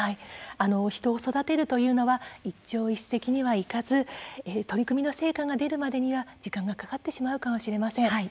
人を育てるというのは一朝一夕にはいかず取り組みの成果が出るまでには時間がかかってしまうかもしれません。